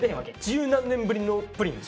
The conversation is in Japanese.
十何年ぶりのプリン？